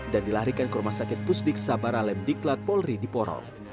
dan dilarikan ke rumah sakit pusdik sabara lem diklat polri di porong